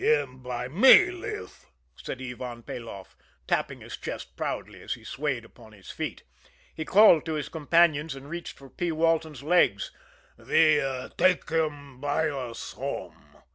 "Him by me live," said Ivan Peloff, tapping his chest proudly as he swayed upon his feet. He called to his companions, and reached for P. Walton's legs. "We take him by us home."